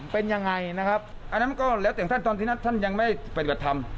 เป็นยังไงนะครับอันนั้นก็แล้วแต่ท่านตอนที่นั้นท่านยังไม่ปฏิบัติธรรม